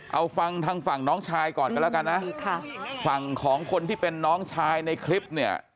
เอาฟังทางฝั่งน้องชายก่อนกันแล้วกันนะฝั่งของคนที่เป็นน้องชายในคลิปเนี่ย